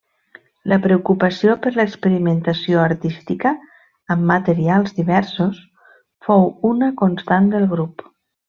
La preocupació per l'experimentació artística amb materials diversos fou una constant del grup.